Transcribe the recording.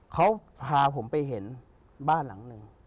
เขาพาผมไปเห็นบ้านหลังหนึ่ง